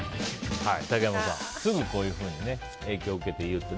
竹山さん、すぐこういうふうに影響を受けて言うって。